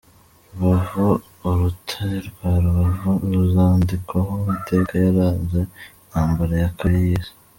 Rubavu Urutare rwa Rubavu ruzandikwaho amateka yaranze intambara ya kabiri y’isi